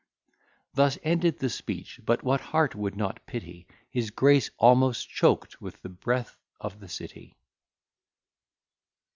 Thus ended the speech, but what heart would not pity His Grace, almost choked with the breath of the City!